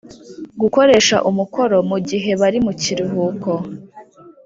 gukoresha umukoro mugihe bari mukiruhuko